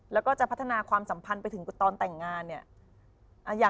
แล้วก็จะพัฒนาความสัมพันธ์ไปถึงตอนแต่งงานเนี่ย